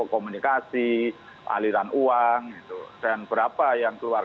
komunikasi aliran uang dan berapa yang keluar